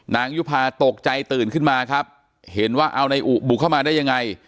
ยุภาตกใจตื่นขึ้นมาครับเห็นว่าเอานายอุบุกเข้ามาได้ยังไง